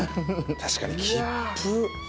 確かに切符。